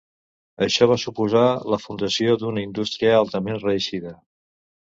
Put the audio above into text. Això va suposar la fundació d'una indústria altament reeixida.